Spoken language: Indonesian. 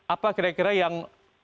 apa kira kira yang